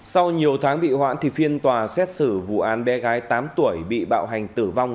sau nhiều tháng bị hoãn thì phiên tòa xét xử vụ án bé gái tám tuổi bị bạo hành tử vong